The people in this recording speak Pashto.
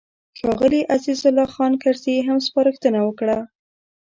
ښاغلي عزیز الله خان کرزي هم سپارښتنه وکړه.